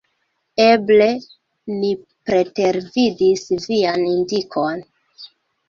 Eble ni pretervidis vian indikon.